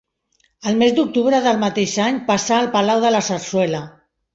El mes d'octubre del mateix any, passà al palau de la Zarzuela.